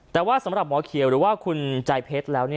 แต่ว่าสำหรับหมอเขียวหรือว่าคุณใจเพชรแล้ว